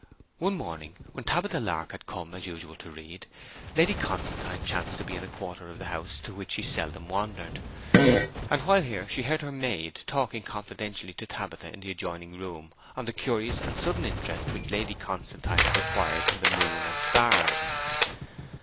One morning, when Tabitha Lark had come as usual to read, Lady Constantine chanced to be in a quarter of the house to which she seldom wandered; and while here she heard her maid talking confidentially to Tabitha in the adjoining room on the curious and sudden interest which Lady Constantine had acquired in the moon and stars.